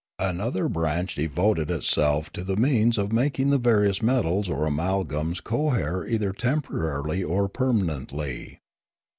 Another branch devoted itself to the means of making the various metals or amalgams cohere either temporarily or permanently.